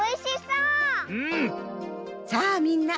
うん。